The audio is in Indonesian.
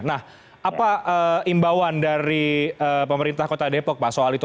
nah apa imbauan dari pemerintah kota depok pak soal itu